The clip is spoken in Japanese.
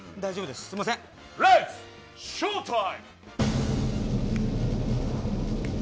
レッツ、ショータイム。